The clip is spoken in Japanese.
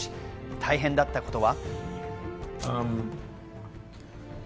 大変だったことは。